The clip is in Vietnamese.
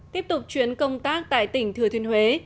tiếp tục chuyến công tác tại tỉnh thừa thiên huế